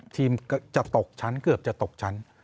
ทีมก็จะตกชั้นเกือบจะตกชั้น